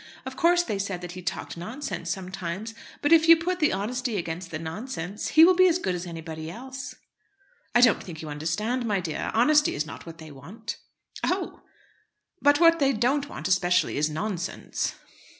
Of course, they said that he talked nonsense sometimes; but if you put the honesty against the nonsense, he will be as good as anybody else." "I don't think you understand, my dear. Honesty is not what they want." "Oh!" "But what they don't want especially is nonsense."